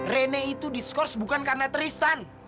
rene itu diskurs bukan karena tristan